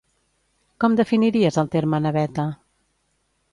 Com definiries el terme naveta?